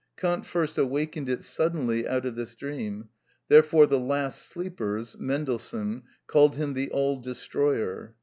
Kant first awakened it suddenly out of this dream; therefore the last sleepers (Mendelssohn) called him the "all destroyer."